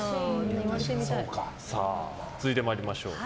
続いて参りましょう。